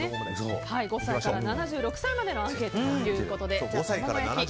５歳から７６歳までのアンケートということで。